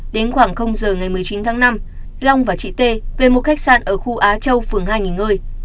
đến khoảng giờ ngày một mươi chín tháng năm long và chị t về một khách sạn ở khu á châu phường hai nghỉ ngơi